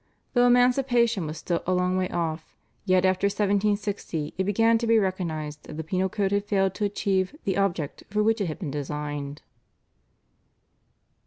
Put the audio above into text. Though emancipation was still a long way off, yet after 1760 it began to be recognised that the penal code had failed to achieve the object for which it had been designed.